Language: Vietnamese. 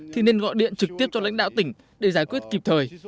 thì nên gọi điện trực tiếp cho lãnh đạo tỉnh để giải quyết kịp thời